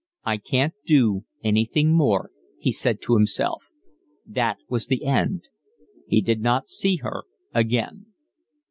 "I can't do anything more," he said to himself. That was the end. He did not see her again.